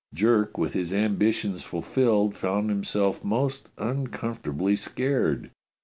Jerk, with his ambitions fulfilled, found himself most uncomfortably scared.